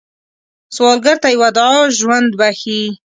سوالګر ته یوه دعا ژوند بښي